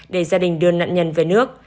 để gia đình đưa nạn nhân về nước